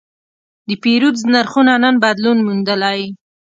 د پیرود نرخونه نن بدلون موندلی.